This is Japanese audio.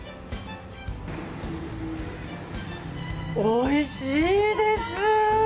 おいしいです！